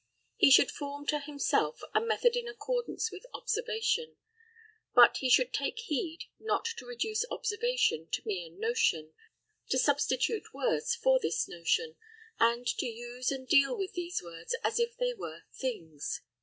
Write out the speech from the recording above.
He should form to himself a method in accordance with observation, but he should take heed not to reduce observation to mere notion, to substitute words for this notion, and to use and deal with these words as if they were things.